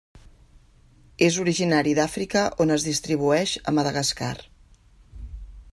És originari d'Àfrica on es distribueix a Madagascar.